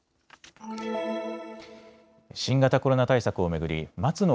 新型コロナ対策を巡り松野